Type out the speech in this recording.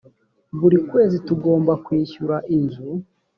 buri kwezi tugomba kwishyura inzu